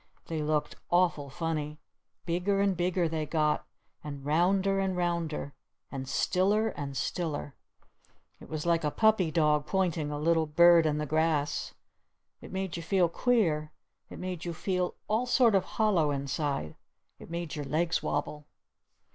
They looked awful funny. Bigger and bigger they got! And rounder and rounder! And stiller and stiller! It was like a puppy dog pointing a little bird in the grass. It made you feel queer. It made you feel all sort of hollow inside. It made your legs wobble.